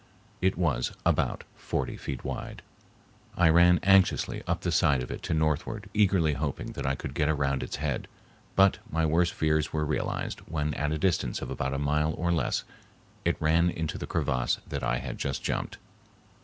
It was about forty feet wide. I ran anxiously up the side of it to northward, eagerly hoping that I could get around its head, but my worst fears were realized when at a distance of about a mile or less it ran into the crevasse that I had just jumped.